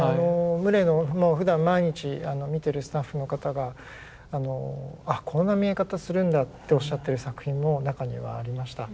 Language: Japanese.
牟礼のふだん毎日見てるスタッフの方が「あこんな見え方するんだ」っておっしゃってる作品も中にはありました。